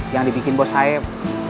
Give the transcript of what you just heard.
yang dibikin bos saeb